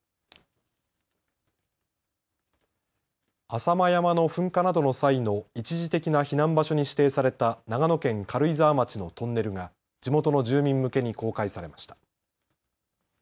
浅間山の噴火などの際の一時的な避難場所に指定された長野県軽井沢町のトンネルが地元の住民向けに公開されました。